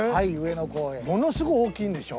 ものすごい大きいんでしょ。